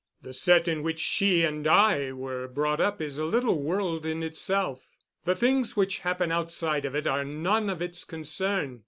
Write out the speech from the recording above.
The set in which she and I were brought up is a little world in itself. The things which happen outside of it are none of its concern.